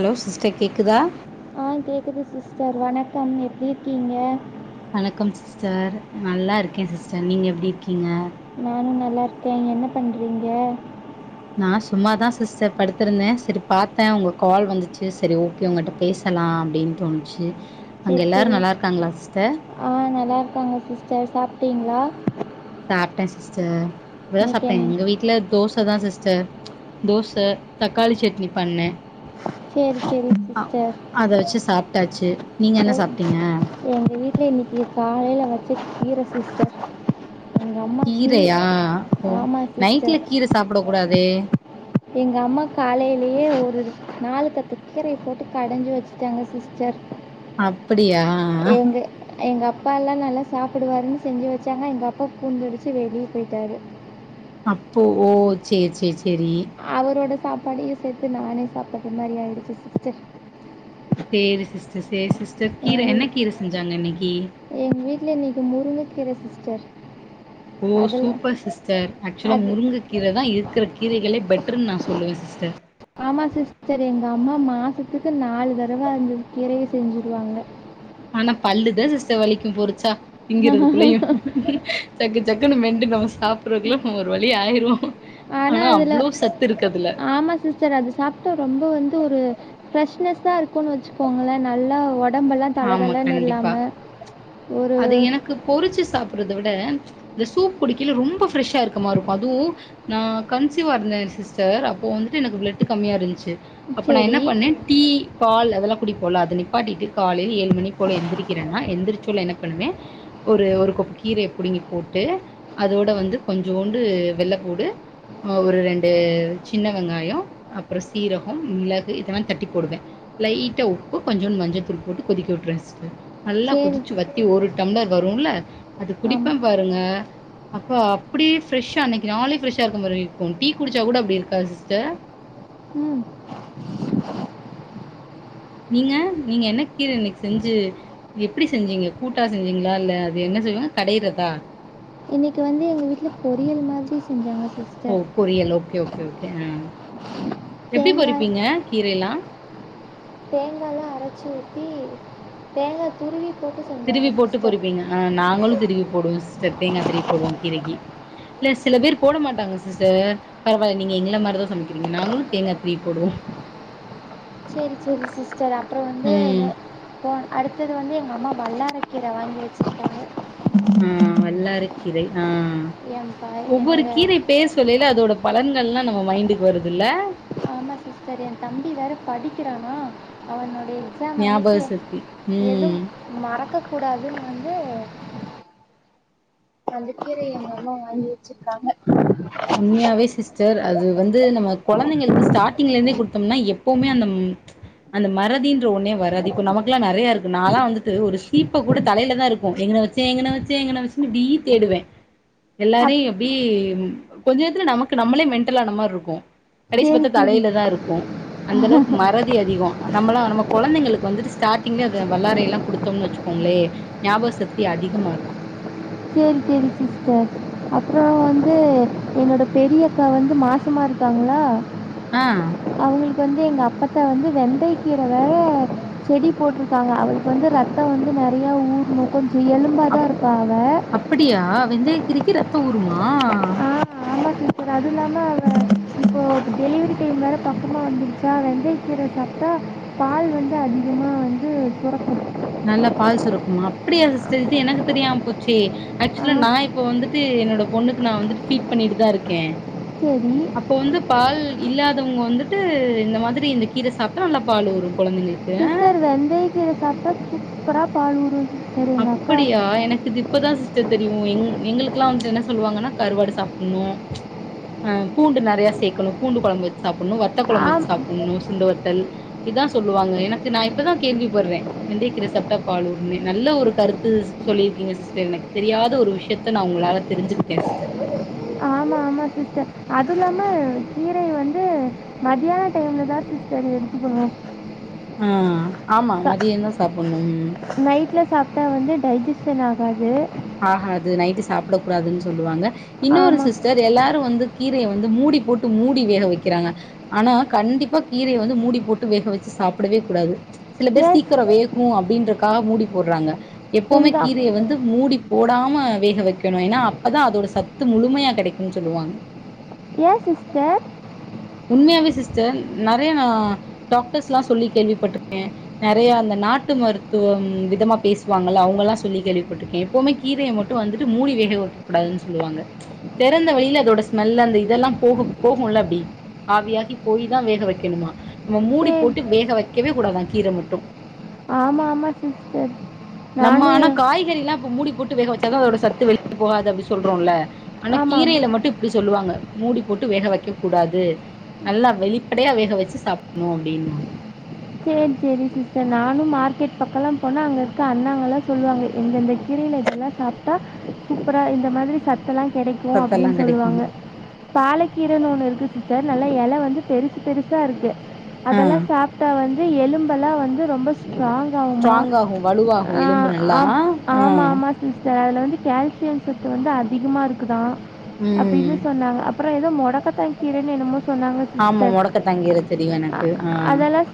Hello sister கேக்குதா ஆ கேக்குது சிஸ்டர் வணக்கம் எப்டி இருக்கீங்க வணக்கம் சிஸ்டர் நல்லா இருக்கே சிஸ்டர் நீங்க எப்டி இருக்கீங்க நானு நல்லார்க்கே என்ன பண்றீங்க நா சும்மாதா சிஸ்டர் படுத்திருந்தே செரிப் பாத்தே உங்க கால் வந்துச்சு செரி ஓகே உங்கட்டப் பேசலா அப்டின் தோணுச்சு அங்க சரி எல்லாரு சரி நல்லார்க்காங்ளா சிஸ்டர் ஆ நல்லார்க்காங்க சிஸ்டர் சாப்ட்டீங்ளா சாப்டே சிஸ்டர் இப்பதா இன்னைக்கு சாப்டே என் எங்க வீட்லத் தோசதா சிஸ்டர் தோச தக்காளி சட்னி பண்ணே சரி சரி அ சிஸ்டர் அத வச்சு சாப்டாச்சு நீங்க என்ன சாப்டீங்க எங்க வீட்டி இன்னைக்கி காலைல வச்ச கீர சிஸ்டர் எங்கள் அம்மா கீரை கீரையா ஓ ஆமாம் நைட்ல சிஸ்டர் கீர சாப்பிட கூடாதே எங்க அம்மா காலைலேயே ஒரு நாலு கட்டுக்கீரைய போட்டு கடைஞ்சி வச்சுட்டாங்க சிஸ்டர் அப்புடியா எங்கப்பா எல்லா நல்லா சாப்பிடுவாருன்னு செஞ்சி வச்சாங்க எங்க அப்பா பூந்தடிச்சி வெளி போயிட்டாரு அப்போ ஓ சேரி சேரி சேரி அவரோட சாப்பாடையு சேர்த்து நானே சாப்பிடற மாரி ஆயிடுச்சி சிஸ்டர் சேரி சிஸ்டர் சேரி சிஸ்டர் கீரை என்ன கீரை செஞ்சாங்க இன்னைக்கி எங்க வீட்ல இன்னைக்கு முருங்ககீர சிஸ்டர் ஓ அதில் சூப்பர் சிஸ்டர் ஆக்சுவலாக அது முருங்கங்கீர தா இருக்கற கீரைகள்ளே பெட்டருன்னு நா சொல்லுவே சிஸ்டர் ஆமா சிஸ்டர் எங்க அம்மா மாசத்துக்கு நாலு தடவ அந்த கீரையே செஞ்சிருவாங்க ஆனா பல்லுதா சிஸ்டர் வலிக்கும் பொரிச்சா திங்கறதுக்குள்ளையு சக்கு சக்குன்னு மென்டு நம்ம சாப்பிடுறதுக்குல்லை ஒரு வழி ஆயிருவோ ஆனா ஆனால் அவ்ளோ சத்து இருக்கு அதுல சார் அது சாப்டா ரொம்ப வந்து ஒரு ஃப்ரெஷ்னெஸ்சா இருக்கும்னு வச்சுக்கோங்களேன் நல்லா உடம்பெல்லாம் ஆமா தலதலனு கண்டிப்பா இல்லாம ஒரு அது எனக்கு பொறிச்சு சாப்டறத விட இந்த சூப் குடிக்கில ரொம்ப ஃப்ரெஷ்ஷா இருக்க மாதிரி இருக்குஅதுவு நா கன்சிவா இருந்தேளலம சிஸ்டர் அப்போ வந்துட்டு எனக்கு ப்லெட் கம்மியா இருந்துச்சி அப்ப நா என்ன சரி பண்ணே டீ பால் அதெல்லா குடிப்போல அத நிப்பாட்டிட்டு காலைல ஏழு மணிக்கு போல எந்திரிக்கறேனா எந்திரச்சோன என்ன பண்ணுவே ஒரு ஒரு கொப் கீரையை புடுங்கி போட்டு அதோட வந்து கொஞ்சோண்டு வெள்ள பூண்டு அ ஒரு ரெண்டு சின்ன வெங்காயோ அப்பறம் சீரகம் மிளகு இதெல்லா தட்டி போடுவே லைட்டா உப்பு கொஞ்சோன்டு மஞ்சதூள் போட்டு கொதிக்க விட்டுருவே சிஸ்டர் நல்லா சரி கொதிச்சு வச் ஒரு டம்ளர் வரும்ல அது குடிப்பே ஆமாம் பாருங்க அப்பா அப்டியே ஃப்ரெஷ்ஷா அன்னைக்கு நாலே ஃப்ரஷ்ஷா இருக்க மாரி இருக்கு டீ குடிச்சா கூட அப்டி இருக்காது சிஸ்டர் ம் நீங்க நீங்க என்ன கீர இன்னைக்கு செஞ்சு எப்டி செஞ்சீங்க கூட்டா செஞ்சிங்களா இல்லை அது என்ன செய்வாங்க கடையிறதா இன்னைக்கு வந்து எங்க வீட்ல பொறியல் மாதிரி செஞ்சாங்க சிஸ் ஓ பொரியல் ஓகே ஓகே ஓகே ஆ எப்டி தேங்காய் பொறிப்பீங்க கீரையல்லா தேங்காலா அரைச்சு ஊத்தி தேங்கா துருவி போட்டு திருவி செஞ்சாங்க போட்டு சிஸ்டர் பொறிப்பீங்க ஆ நாங்களு திருவி போடுவோ சிஸ்டர் தேங்காத் திருவி போடுவோ கீரைக்கு இல்ல சில பேர் போட மாட்டாங்க சிஸ்டர் பரவால நீங்க எங்கள மாரிதா சமைக்கிறீங்க நாங்களு தேங்கா திருவி போவோ சேரி சேரி சிஸ்டர் அப்றோ வந்து ம் நே போ அடுத்தது வந்து எங்க அம்மா வல்லார கீரவாங்கி வச்சிருக்காங்க ஆ வல்லாரை கீரை ஆ என் ப ஒவ்வொரு என்னோட கீரை பேர் சொல்லைல அதோட பலன்கள் எல்லா நம்ம மைண்டுக்கு வருது இல்ல ஆமா சிஸ்டர் என் தம்பி வேற படிக்கிறானா அவனு டடைய எக்ஸாம் ஞாபக அன்னைக்கி சக்தி எதுவு ம் மறக்கக் கூடாதுன்னு வந்து அந்த கீரைய எங்கம்மா வாங்கி வச்சிருக்காங்க உண்மையாவே சிஸ் சார் அது வந்து நம்ம கொழந்தைங்களுக்கு ஸ்டார்டிங்ல இருந்தே குடுத்தோம்னா எப்போமே அந்த அந்த மறதின்ற ஒன்னே வராது இப்ப நமக்குல்லா நெறைய இருக்கு நா லா வந்துட்டு ஒரு சீப்ப கூட தலையில தா இருக்கு எங்கன வச் ச எங்கன வச்ச எங்கன வச்சுன்னு இப்டீ தேடுவ எல்லாரு அப் அப்டி கொஞ்ச நேத்துல நமக்கு நம்மளே மென்டலான மாரி இருக்கு கடைசி சரி பாத்த சரி தலைல தா இருக்கு அந்த அளவுக்கு மறதி அதிகோ நம்மளா நம்ம கொழந்தைங்களுக்கு வந்துட்டு ஸ்டார்டிங்கே அது வல்லாரை எல்லா குடுத்தோம் வச்சுக்கோங்ளே ஞாபகசக்தி அதிகமா இருக்கு சேரி சேரி சிஸ்டர் அப்றோ வந்து என்னோட பெரிய அக்கா வந்து மாசமா இருக்காங்ளா ஆ அவுங்களுக்கு வந்து எங்க அப்பத்தா வந்து வெந்தயக்கீர வேற செடிப் போட்டிருக்காங்க அவுளுக்கு வந்து ரத்த வந்து நெறையா ஊர்னு கொஞ்ச எலும்பா தா அப் இருப்பா அவ அப்படியா வெந்தய கீரைக்கு ரத்த ஊறுமா அப்பற அது இல்லாம வ இப்போ டெலிவரி டைம் வேற பக்கமாக வந்துருச்சா வெந்தக்கீரை சாப்டா பால் வந்து அதிகமாக வந்து சுரக்கு நல்ல பால் சுரக்குமா அப்டியா சிஸ்டர் இது எனக்கு தெரியாம போச்சே ஆ ஆக்சுவலா நா இப்ப வந்துட்டு என்னோட பொண்ணுக்கு நா வந்துட்டு ஃபீட் பண்ணிட்டு தா இருக்க சேரி அப்ப வந்து பால் இல்லாதவங்க வந்துட்டு இந்த மாதிரி இந்த கீர சாப்ட்டா நல்லா பால் ஊறு கொழந்தைங்களுக் சிஸ்டர் வெந்தைய கீர சாப்டா சூப்பரா பாலூறு அப்படியா எனக்கு இது இப்பதா சிஸ்டர் தெரியு எங் எங்களுக்குல்லா வந்துட்டு என்ன சொல்லுவாங்கன்னா கருவாடு சாப்புன்ணு அ பூண்டு நெறைய சேக்கணு பூண்டு கொழம்பு வச்சு சாப்பட்ணு வத்த கொழம்பு வச்சு ஆம் சாப்பட்ணு சுண்ட வத்தல் இதா சொல்லுவாங்க எனக்கு நா இப்பதா கேள்விப்பட்ற வெந்தயக்கீர சாப்டா பாலூருன்னு நல்ல ஒரு கருத்து சொல்லியிருக்கீங்க சிஸ்டர் எனக்கு தெரியாத ஒரு விஷயத்த நா உங்களால தெரிஞ்சுக்கிட்டே சிஸ்டர் ஆமா சிஸ்டர் அது இல்லாம கீரைய வந்து மதியான டைம்ல தா சிஸ்டர் எடுத்துக்கனு ஆ ஆமா மதியந்தா சாப்பட்ணு நைட்ல சாப் க வந்து டைஜெஷன் ஆகாது ஆகாது நைட்டு சாப்டக் கூடாதுன்னு சொல்லுவாங்க இன்னொரு ஆமாம் சிஸ்டர் அது எல்லாரு வந்து கீரைய வந்து மூடி போட்டு மூடி வேக வைக்கிறாங்க ஆனா கண்டிப்பா கீரைய வந்து மூடி போட்டு வேக வச்சு சாப்படவே கூடாது சில பேர் எஸ் சீக்கிர வேகு அப்டின்றக்காக மூடி போட்றாங்க எப்பமே எங்கள் அம் கீரைய வந்து மூடி போடாம வேக வைக்கணு ஏன்னா அப்பதா அதோட சத்து முழுமையா கிடைக்குனு சொல்லுவாங்க ஏ சிஸ்டர் உண்மையாவே சிஸ்டர் நெறைய நா டாக்டர்ஸ்ல்லா சொல்லி கேள்விப்பட்ருக்கே நெறைய அந்த நாட்டு மருத்துவம் விதமா பேசுவாங்கல்ல அவுங்கள்லா சொல்லி கேள்விப்பட்ருக்கே எப்புமே கீரைய மட்டு வந்துட்டு மூடி வேக வைக்கக்கூடாதுனு சொல்லுவாங்க தெறந்த வெளில அதோட ஸ்மெல் அந்த இதெல்லா போகு போகுல அப்டி ஆவியாகி போயி தா வேக வைக்கணுமா நம்ம மூடி சரி போட்டு வேக வைக்கவே கூடாதா கீர மட்டு ஆமா சிஸ்டர் நம்ம நானும் ஆனா எ- காய்கறிலா இப்ப மூடி போட்டு வேக வச்சாதா அதோட சத்து வெளிய போகாது அப்டி சொல்றோல ஆனா ஆமாம் கீரைல மட்டு இப்டி சொல்லுவாங்க மூடி போட்டு வேக வைக்க கூடாது நல்லா வெளிப்படையா வேக வச்சு சாப்பட்ணு அப்டின்னுவாங்க சேரி சேரி சிஸ்டர் நானு மார்க்கெட் பக்கலா போனா அங்க இருக்க அண்ணாங்கெல்லா சொல்லுவாங்க எந்தெந்த கீரல எதெல்லா சாப்டா சூப்பரா இந்த மாதிரி சத்தெல்லா கெடைக்கு சத்தெல்லா அப்டினு சொல்லுவாங்க கெடைக்குனு பாலக்கீரைனு ஒன்னு இருக்கு சிஸ்டர் நல்லா எல வந்து பெருசு பெருசா இருக்கு ஆ அதெல்லா சாப் இப்ப வந்து எலும்பெலா வந்து ரொம்ப ஸ்ட்ராங் ஆகுமா ஸ்ட்ராங் ஆகு வலுவாகு ஆ எலும்பு நல்லா ஆம் ஆ ஆமாமா சிஸ்டர் அதுல வந்து கேல்சியம் சத்து வந்து அதிகமா இருக்குதா ம் அப்டினு சொன்னாங்க அப்பறோ ஏதோ மொடக்கத்தா கீரன்னு என்னமோ சொன்னாங்க சிஸ்டர் மொடக்கதாங்கீர தெரியு எனக்கு ஆ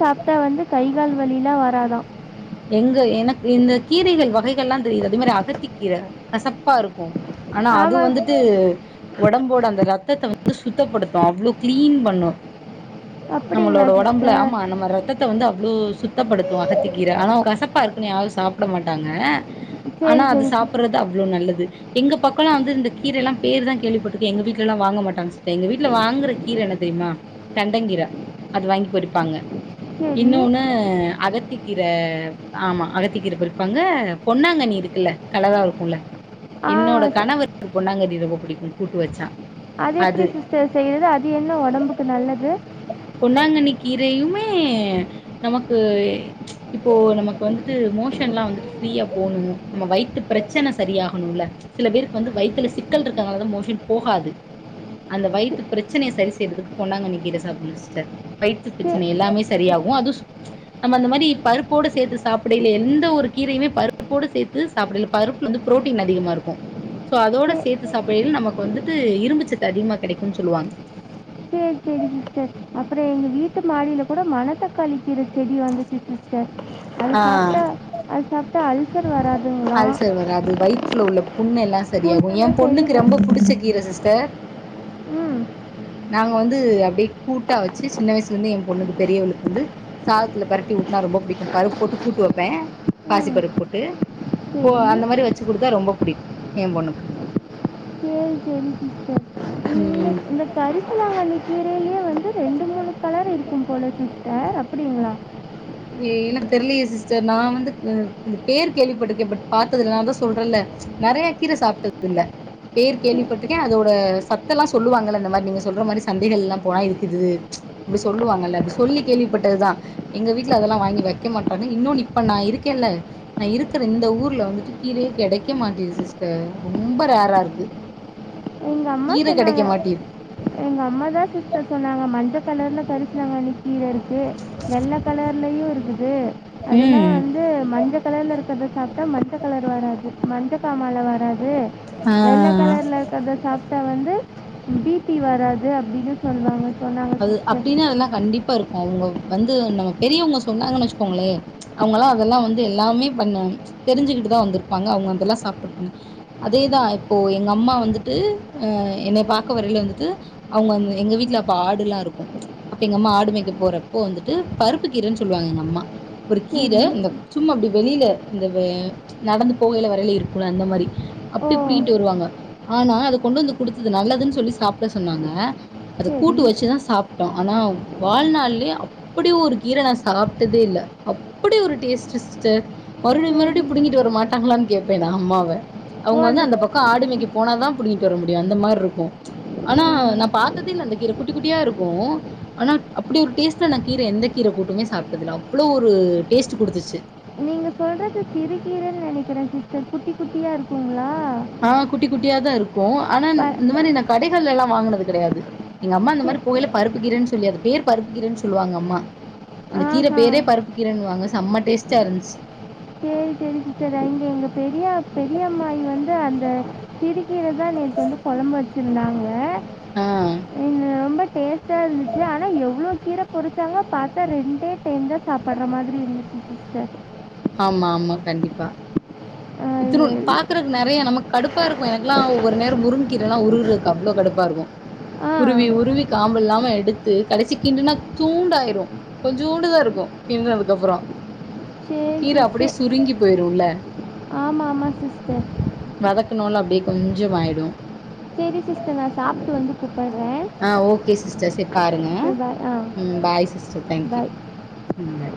சாப்டா வந்து கை கால் வலிலா வராதா எங்க எனக் இந்த கீரைகள் வகைகள்லா தெரியுது அது மாரி அகத்தி கீர கசப்பா ருக்கு ஆனா அது ஆமா வந்துட்டு ஒடம்போட அந்த ரத்தத்த வந்து சுத்தப்படுத்து அவ்ளோ கிளீன் பண்ணு அப்படிங்களா நம்மளோட ஒடம்புல சிஸ்டர்? ஆமா நம்ம ரத் தத்த வந்து அவ்ளோ சுத்தப்படுத்து அகத்திக்கீர ஆனா கசப்பா இருக்குன்னு யாரு சாப்ட மாட்டாங்க ஆனா சரி, அது சரி, சிஸ் சாப்பிறது அவ்ளோ நல்லது எங்க பக்கலா வந்து இந்த கீர எல்லா பேரு தா கேள்விப்பட்டிருக்கே எங்க வீட்ல எல்லா வாங்கமாட்டங்க சிஸ்டர் எங்க வீட்ல வாங்கறக் கீர என்ன தெரியுமா தண்டங் கீர அது வாங்கி பொரிப்பாங்க சரி. இன்னொன்னு அகத்திக் கீர ஆமா அகத்திக்கீர பொரிப்பாங்க பொன்னாங்கண்ணி இருக்குல்ல கலரா இருக்குல ஆ என்னோட ச- கணவருக்கு பொன்னாங்கண்ணி ரொம்ப புடிக்கு கூட்டு வச்சா அது எப்டி சிஸ்டர் செய்றது அது என்ன ஒடம்புக்கு நல்லது பொன்னாங்கண்ணி கீரையுமே நமக்கு இப்போ நமக்கு வந்துட்டு மோஷன் ல்லா வந்துட்டு ஃப்ரீயா போணு நம்ம வயித்து பிரெச்சன சரியாகணுல சில பேருக்கு வந்து வயித்துல சிக்கல் இருக்கனால தா மோஷன் போகாது அந்த வயித்துப் பிரெச்சனய சரி செய்றதுக்கு பொன்னாங்கண்ணி கீர சாப்ணு சிஸ்டர் வயித்துப் சே பிரெச்சன எல்லாமே சரியாகு அது சு நம்ம அந்த மாரி பருப்போடு சேத்து சாப்டேல எந்த ஒரு கீரயுமே பருப்போடு சேத்து சாப்டேல பருப்பு வந்து புரோட்டீன் அதிகமா இருக்கு சோ அதோட சே சேத்து சாப்டேல நமக்கு வந்துட்டு இரும்புச்சத்து அதிகமா கெடைக்குன்னு சொல்லுவாங்க சேரி சிஸ்டர் அப்பற எங்க வீட்டு மாடில கூட மணத்தக் காளி கீர செடி வந்துச்சு சிஸ்டர் அது ஆ சாப்டா அது சாப்டா அல்சர் வராது அல்சர் வராது வயிற்றுல உள்ள புண்ண எல்லா சரியாகு புண்ணெல்லாம் என் சரி பொண்ணுக்கு ப ரொம்ப புடிச்ச கீர சிஸ்டர் ம் நாங்க வந்து அப்டியே கூட்டா வச்சு சின்ன வயசுல இருந்தே என் பொண்ணுக்கு பெரியவளுக்கு வந்து சாதத்துல பெரட்டி ஊட்டுனா ரொம்ப புடிக்கு பருப்பு போட்டு கூட்டு வப்பே பாசி ம் பருப்பு போட்டு ப்போ சரி அந்த மாரி வெச்சு குடுத்தா ரொம்ப புடிக்கு எ பொண்ணுக்கு சேரி சேரி சிஸ்டர் இந்த ம் இந்த கரிசலாங்கண்ணி கீரையிலயே வந்து ரெண்டு மூனு கலர் இருக்கும் போல சிஸ்டர் அப்டிங்களா ஏ எனக்கு தெரியலேயே சிஸ்டர் நா வந்து அ பேர் கேள்விப்பட்டிருக்கே பட் பாத்ததுல்ல நா தா சொல்றேல நெறைய கீர சாப்ட்டது இல்ல பேர் சரி கேள்விப்பட்டுருக்கே அதோட சத்த எல்லா சொல்லுவாங்கள அந்த மாரி நீங்க சொல்ற மாரி சந்தைகள் ல்லா போனா இருக்குது இப்டி சொல்லுவாங்கல்ல அப்டி சொல்லி கேள்விப்பட்டதுதா எங்க வீ ட்டுல அதெல்லா வாங்கி வெக்க மாட்டாங்க இன்னொ இப்ப நா இருக்கேல நா இருக்கிற இந்த ஊர்ல வந்துட்டு கீரயே கெடைக்க மாட்டேங்குது சிஸ்டர் ரொம்ப ரேரா இருக்கு ம் எங்க அம்மா கீர சொன்னாங்க கெடைக்க மாட்டேது எங்க அம்மா தா சிஸ்டர் சொன்னாங்க மஞ்ச கலர்ல கரிசலாங்கண்ணி கீர இருக்கு வெள்ள கலர்லயு இருக்குது அதெல்லா ம் வந்து மஞ்ச கலர்ல இரு க்கிறத சாப்பிட்டா மஞ்சள் கலர் வராது மஞ்சக்காமாலை வராது ஆ வெள்ள ஆ கலர்ல அத சாப்ட்டா வந்து பி பி வராது அப்டின்னு சொல்லுவாங்க சொன்னாங்க அது சிஸ்டர் அப்டின்னா அதெல்லா கண்டிப்பா இருக்கு அவுங்க வந்து நம்ம பெரியவங்க சொன்னாங்கன்னு வச்சுக்கோங்ளே அவுங்களா‌ அதெல்லா வந்து எல்லாமே பண்ண தெரிஞ்சுக்கிட்டு தா வந்துருப்பாங்க அவுங்க அதெல்லா சாப்ட்ருப்பாங்க அதேதா இப்போ எங்க அம்மா வந்துட்டு அ என்னை பாக்க வரையில வந்துட்டு அவுங்க வந்து எங்க வீட்ல அப் அப்ப ஆடுல்லா இருக்கு அப்ப எங்க அம்மா ஆடு மேக்க போறப்போ வந்துட்டு பருப்பு கீரைன்னு சொல்லுவாங்க எங்க அம்மா ஒரு கீர சரி அந்த சும்மா அப்டி வெளில அந்த வெ நடந்து போகையில வரையில இருக்குல அந்த மாரி ஓ அப்டி புடிங்கிட்டு வருவாங்க ஆனா அத கொண்டு வந்து குடுத்தது நல்லதுன்னு சொல்லி சாப்ட சொன்னாங்க அது கூட்டு சரி வச்சு தா சாப்ட்டோ ஆனா வாழ்நாள்ளே அப் அப்டி ஒரு கீர நா சாப்ட்டதே இல்ல அப்டி ஒரு டேஸ்ட் சிஸ்டர் மறுபடியு மறுபடியு சரி புடுங்கிட்டு வர மாட்டாங்களான்னு கேப்பே நா அம்மாவ அவுங்க வந்து அந்த பக் கோ ஆடு மேக்க போன தா புடுங்கிட்டு வர முடியு அந்த மார்ருக்கு ஆனா நா பாத்ததில்ல அந்த கீர குட்டி குட்டியா இருக்கு ஆனா அப்டி ஒரு டேஸ்ட்ல நா கீர எந்த கீர கூட்டுமே சாப்ட்டதில்ல அவ்ளோ ஒரு டேஸ்ட் குடுத்துச்சு சொல்றது சிறுகீரைன்னு நெனைக்கிற சிஸ்டர் குட்டி குட்டியா இருக்குங்ளா ஆ குட்டி குட்டியா தா இருக்கு ஆனா இந்த மாரி நா கடைகள்லல்லா வாங்குனது கெடையாது எங்க அம்மா இந்த சே மாரி போகயில பருப்புக் கீரைன்னு சொல்லி அது பேர் பருப்புக் கீரைன்னு சொல்லுவாங்க அம்மா அந்த கீர ஆஹா பேரே பருப்பு கீரைன்னுவாங்க செம்ம டேஸ்ட்டா இருன்ச்சு சேரி சிஸ்டர் இங்க எங்க பெரிய பெரிய அம்மாயி வந்து அந்த சிறுக்கீர தா நேத்து வந்து கொழம்பு வச்சிருந்தாங்க ஆ இங்க ரொம்ப டேஸ்ட் டா இருந்துச்சு ஆனா எவ்ளோ கீர பொறிச்சாங்க பாத்தா ரெண்டே டைம் தா சாப்பட்ற மாரி இருந்துச்சு சிஸ்டர் ஆமா ஆமா கண்டிப்பா இத்துனூன் பாக்கற நெறைய நமக்கு கடுப்பா இருக்கு எனக்குலா ஒரு நேரோ முருங்கீரல்லா உருவறக்கு அவ்ளோ கடுப்பா இருக்கு ஆ உருவி உருவி காம்பு இல்லாம எடுத்து கடைசி கிண்டுனா இத்தூண்டாயிரு கொஞ்சூண்டுதா இருக்கும் கின்றதுக்கு அப்றோ கீரை அப்டே சுருங்கி போய்ருல்ல ஆமா ஆமா சிஸ்டர் வதக்கனூல அப்டே கொஞ்சமாயிடு சரி சிஸ்டர் நான் சாப்பிட்டு வந்து கூப்பிட்றேன் ஆ ஓகே சிஸ்டர் செரி பாருங்க பாய் ஆ ம் bye sis so thank you bye ம்